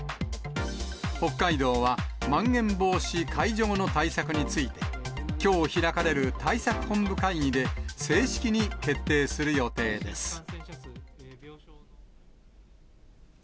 北海道は、まん延防止解除後の対策について、きょう開かれる対策本部会議で、正式に決定する予定です。